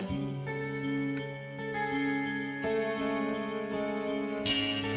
eh ini apa